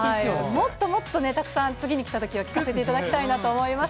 もっともっとね、たくさん、次に来たときは聞かせていただきたいなと思います。